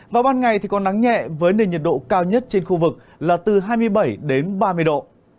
vào ban ngày thì có nắng nhẹ với nền nhiệt độ cao nhất trên khu vực là từ hai mươi bảy đến ba mươi độ